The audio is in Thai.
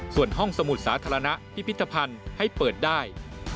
ส่วนห้องสมุดสาธารณะพิพิธภัณฑ์ให้เปิดได้